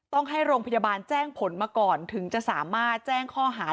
ต้องให้โรงพยาบาลแจ้งผลมาก่อนถึงจะสามารถแจ้งข้อหา